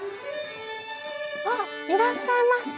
あっいらっしゃいます。